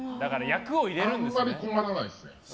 あまり困らないですね。